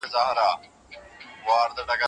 ګورګین د کندهار خلک په سرو وینو کې ولړل.